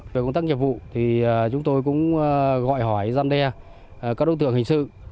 về công tác nhiệm vụ thì chúng tôi cũng gọi hỏi giam đe các đối tượng hình sự